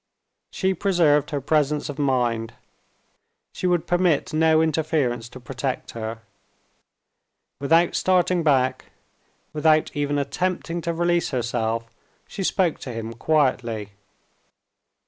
She preserved her presence of mind she would permit no interference to protect her. Without starting back, without even attempting to release herself, she spoke to him quietly.